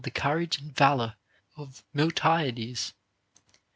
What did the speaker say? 471 the courage and valor of Miltiades.